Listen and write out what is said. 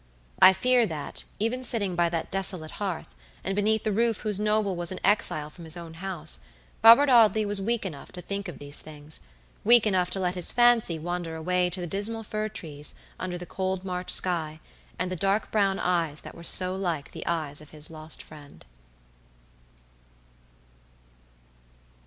I fear that, even sitting by that desolate hearth, and beneath the roof whose noble was an exile from his own house, Robert Audley was weak enough to think of these thingsweak enough to let his fancy wander away to the dismal fir trees under the cold March sky, and the dark brown eyes that were so like the eyes of his lost friend.